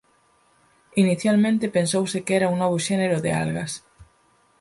Inicialmente pensouse que era un novo xénero de algas.